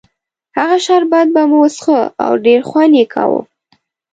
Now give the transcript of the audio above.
هغه شربت به مو څښه او ډېر خوند یې کاوه.